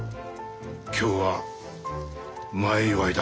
今日は前祝いだ。